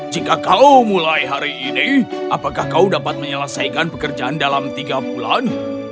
jika kau mulai hari ini apakah kau dapat menyelesaikan pekerjaan dalam tiga bulan